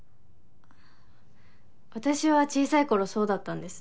私は小さい頃そうだったんです。